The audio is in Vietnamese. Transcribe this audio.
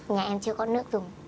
nhà em chưa có nước dùng